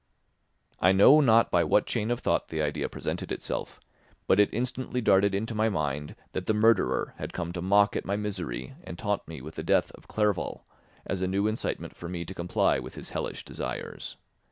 I know not by what chain of thought the idea presented itself, but it instantly darted into my mind that the murderer had come to mock at my misery and taunt me with the death of Clerval, as a new incitement for me to comply with his hellish desires.